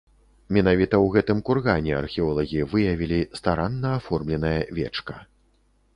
Менавіта ў гэтым кургане археолагі выявілі старанна аформленае вечка.